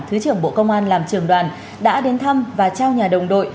thứ trưởng bộ công an làm trường đoàn đã đến thăm và trao nhà đồng đội